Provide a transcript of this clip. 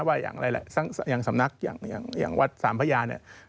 ว่าอย่างอะไรแหละอย่างสำนักอย่างวัดสามพญา